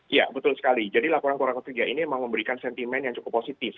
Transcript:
iya betul sekali jadi laporan kuartal ketiga ini memang memberikan sentimen yang cukup positif